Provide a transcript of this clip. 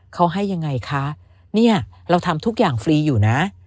เขาให้ยังไงคะเนี่ยเราทำทุกอย่างฟรีอยู่นะ